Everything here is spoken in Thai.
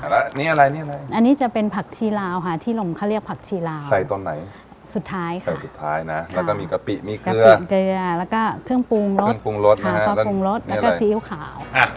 แล้วนี่อะไรอันนี้จะเป็นผักชีราวค่ะที่หลมเขาเรียกผักชีราวใส่ต้นไหนสุดท้ายค่ะแล้วก็มีกะปิมีเกลือแล้วก็เครื่องปรุงรสซอสปรุงรสแล้วก็ซีอิ๊วขาว